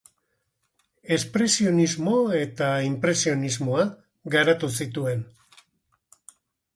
Espresionismo eta inpresionismoa garatu zituen.